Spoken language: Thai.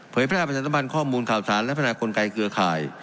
เผยพระภาพประชาติบันข้อมูลข่าวสารและพนักกลไกเกลือข่าย